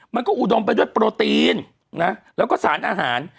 อุดมไปด้วยโปรตีนแล้วก็สารอาหาร